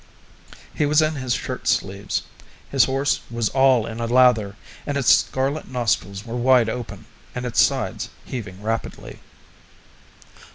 He was in his shirt sleeves; his horse was all in a lather, and its scarlet nostrils were wide open, and its sides heaving rapidly.